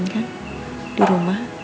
dikitahankan di rumah